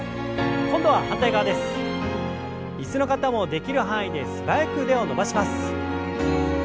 椅子の方もできる範囲で素早く腕を伸ばします。